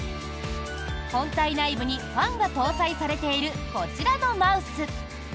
本体内部にファンが搭載されているこちらのマウス。